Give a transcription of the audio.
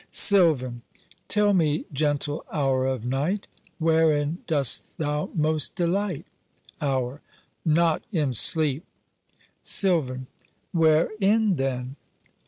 SILVAN. Tell me, gentle Hour of Night, Wherein dost thou most delight? HOUR. Not in sleep! SILVAN. Wherein then?